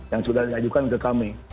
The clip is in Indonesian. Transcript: yang sudah diajukan ke kami